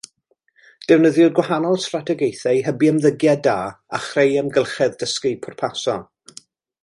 Defnyddiwyd gwahanol strategaethau i hybu ymddygiad da a chreu amgylchedd dysgu pwrpasol